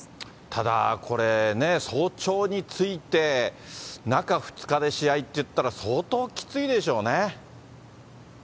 ただ、これね、早朝に着いて、中２日で試合っていったら相当きついでしょうね。